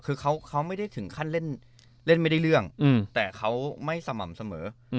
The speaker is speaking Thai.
คือเขาไม่ได้ถึงขั้นเล่นไม่ได้เรื่องแต่เขาไม่สม่ำเสมอ